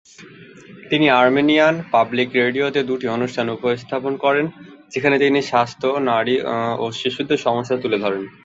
তিনি Armenian public রেডিওতে দুটি অনুষ্ঠান উপস্থাপন করেন যেখানে তিনি স্বাস্থ্য, নারী ও শিশুদের সমস্যা তুলে ধরেন।